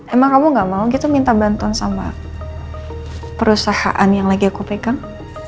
emang kamu gak mau gitu minta bantuan sama perusahaan yang lagi aku pegang